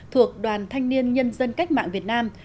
thuộc đoàn thanh niên nhân dân cách mạng việt nam